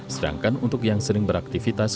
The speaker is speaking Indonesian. sedangkan untuk yang sering beraktivitas